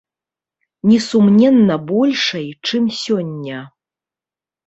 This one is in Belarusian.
Несумненна большай, чым сёння.